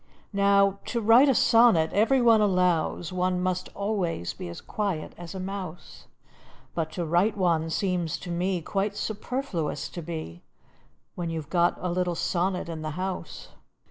Now, to write a sonnet, every one allows, One must always be as quiet as a mouse; But to write one seems to me Quite superfluous to be, When you 've got a little sonnet in the house.